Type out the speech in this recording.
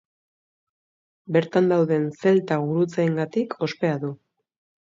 Bertan dauden zelta gurutzeengatik ospea du.